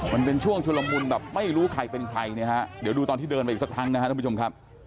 มันเป็นช่วงชุลมุนแบบไม่รู้ใครเป็นใครเนี่ยฮะเดี๋ยวดูตอนที่เดินไปอีกสักครั้งนะครับท่านผู้ชมครับ